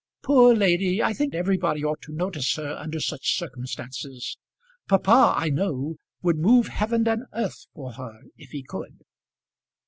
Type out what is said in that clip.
Poor lady! I think everybody ought to notice her under such circumstances. Papa, I know, would move heaven and earth for her if he could."